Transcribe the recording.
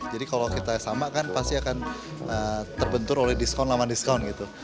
jadi kalau kita sama kan pasti akan terbentur oleh discount nama discount gitu